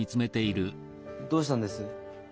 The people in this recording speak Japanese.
どうしたんです？